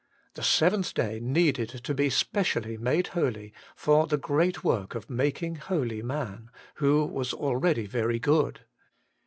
The seventh day needed to be specially made holy, for the great work of making holy man, who was already very good.